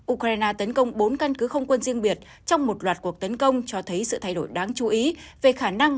ukraine tấn công bốn căn cứ không quân riêng biệt trong một loạt cuộc tấn công cho thấy sự thay đổi đáng chú ý về khả năng